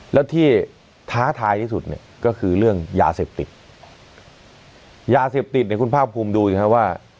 แล้วที่ท้าทายที่สุดเนี่ยก็คือเรื่องยาเสพติดยาเสพติดเนี่ยคุณภาคภูมิดูสิครับว่า